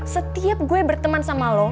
setiap gue berteman sama lo